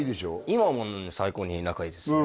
今は最高に仲いいですね